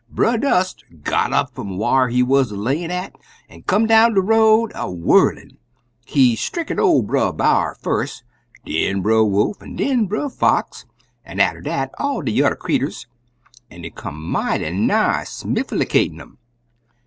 Brer Dust got up fum whar he wuz a layin' at, an' come down de road des a whirlin'. He stricken ol' Brer B'ar fust, den Brer Wolf, an' den Brer Fox, an' atter dat, all de yuther creeturs, an' it come mighty nigh smifflicatin' um!